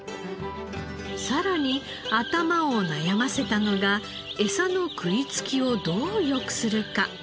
さらに頭を悩ませたのがエサの食いつきをどう良くするか。